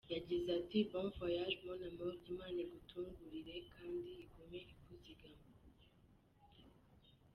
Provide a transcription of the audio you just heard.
Yagize ati "Bon voyage mon amour imana igutangurire kand igume ikuzigama.